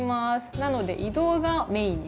なので移動がメインになります。